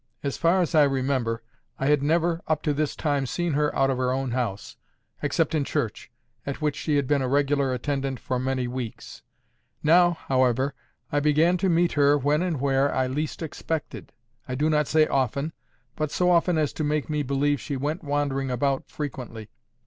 As far as I remember, I had never up to this time seen her out of her own house, except in church, at which she had been a regular attendant for many weeks. Now, however, I began to meet her when and where I least expected—I do not say often, but so often as to make me believe she went wandering about frequently.